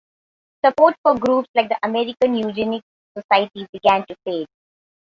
Support for groups like the American Eugenics Society began to fade.